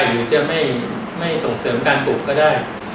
หรือจะไม่ส่งเสริมการปลูกก็ได้